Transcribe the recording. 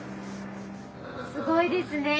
すごいですね